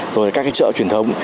rồi các cái chợ truyền thống